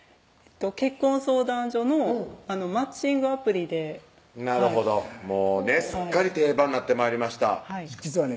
結婚相談所のマッチングアプリでなるほどもうねすっかり定番なって参りました実はね